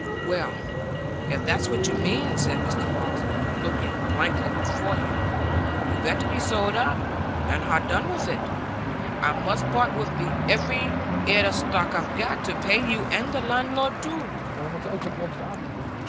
"Well, if that's what you mean," said Mr Moss, looking blankly before him, "we'd better be sold up, and ha' done with it; I must part wi' every head o' stock I've got, to pay you and the landlord too."